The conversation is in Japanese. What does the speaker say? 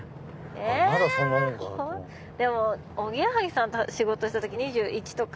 もおぎやはぎさんと仕事したとき２１とか。